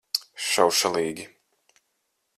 Šaušalīgi.